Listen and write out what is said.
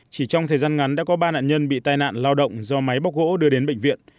chỉ trong thời gian ngắn đã có ba nạn nhân bị tai nạn lao động do máy bóc gỗ đưa đến bệnh viện